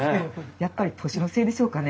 やっぱり年のせいでしょうかね